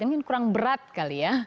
ini kurang berat kali ya